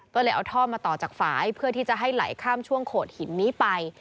ก็เลยเอาท่อมาต่อจากฝ่ายเพื่อที่จะให้ไหลข้ามช่วงโขดหินนี้ไป